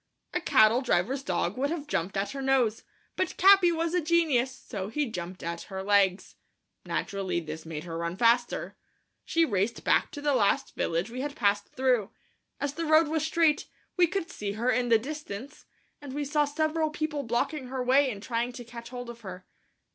A cattle driver's dog would have jumped at her nose, but Capi was a genius, so he jumped at her legs. Naturally, this made her run faster. She raced back to the last village we had passed through. As the road was straight, we could see her in the distance, and we saw several people blocking her way and trying to catch hold of her.